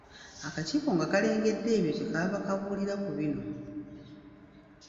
Akakiiko nga kalengedde ebyo kye kaava kakubira ku bino: